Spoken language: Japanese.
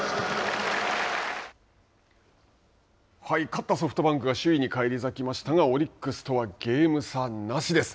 勝ったソフトバンクが首位に返り咲きましたがオリックスとはゲーム差なしです。